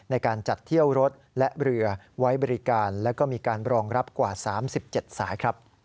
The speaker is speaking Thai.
ในการจัดเที่ยวรถและเรือไว้บริการและก็มีการรองรับกว่า๓๗สาย